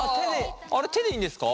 あれ手でいいんですか？